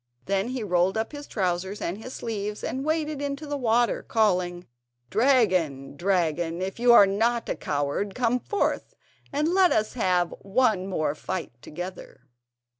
Then he rolled up his trousers and his sleeves, and waded into the water, calling: "Dragon! dragon! if you are not a coward, come forth, and let us have one more fight together."